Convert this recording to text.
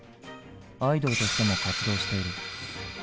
アイドルとしても活動している。